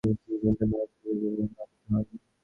তিনি বুদ্ধ মায়ার সাথে বিবাহ বন্ধনে আবদ্ধ হন।